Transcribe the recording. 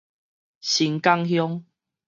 伸港鄉